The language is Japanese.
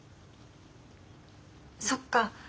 そっか。